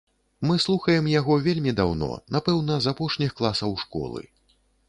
Мы слухаем яго вельмі даўно, напэўна, з апошніх класаў школы.